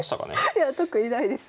いや特にないです。